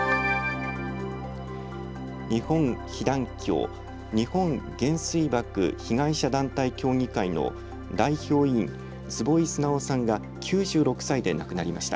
日本被団協・日本原水爆被害者団体協議会の代表委員、坪井直さんが９６歳で亡くなりました。